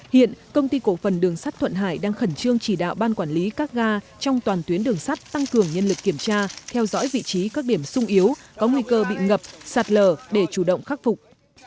hiện công ty cổ phần đường sắt thuận hải đang khẩn trương chỉ đạo ban quản lý các ga trong toàn tuyến đường sắt tăng cường nhân lực kiểm tra theo dõi vị trí các điểm sung yếu có nguy cơ bị ngập sạt lở để chủ động khắc phục